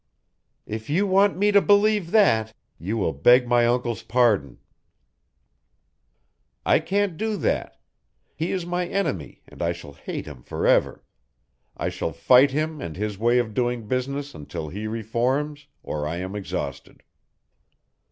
"If you want me to believe that, you will beg my uncle's pardon." "I can't do that. He is my enemy and I shall hate him forever; I shall fight him and his way of doing business until he reforms or I am exhausted."